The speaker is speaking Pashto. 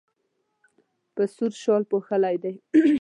په سور شال پوښلی دی.